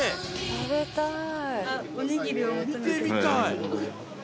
食べたい。